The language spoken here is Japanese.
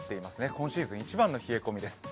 今シーズン一番の冷え込みです。